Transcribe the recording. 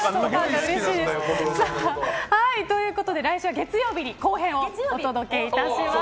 うれしいです。ということで、来週月曜日に後編をお届けいたします。